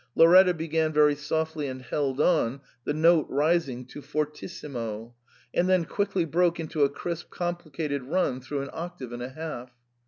Lauretta began very softly and held on, the note rising X,o fortissimo^ and then quickly broke into a crisp complicated run through an octave and a half.